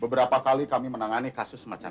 beberapa kali kami menangani kasus seperti ini